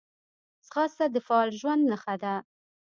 ځغاسته د فعاله ژوند نښه ده